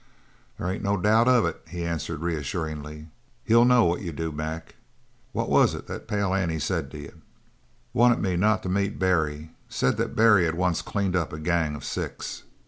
"They ain't any doubt of it," he said reassuringly. "He'll know what you do, Mac. What was it that Pale Annie said to you?" "Wanted me not to meet Barry. Said that Barry had once cleaned up a gang of six."